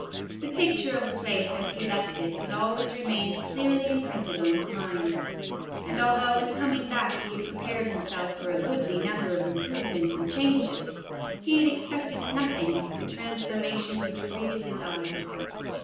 The picture of the place as he left it had always remained clearly im printed on his mind ; and although in coming back he had prepared himself for a goodly number of improvements and changes, he had expected noth ing like the transformation which greeted his eyes.